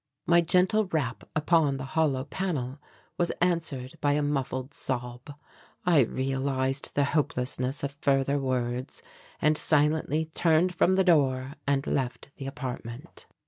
My gentle rap upon the hollow panel was answered by a muffled sob. I realized the hopelessness of further words and silently turned from the door and left the apartment.